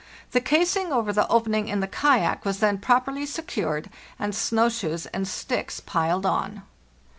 The casing over the opening in the kayak was then properly secured, and snow shoes and sticks piled on.